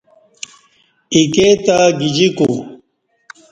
کی ایکے تہ گجیکو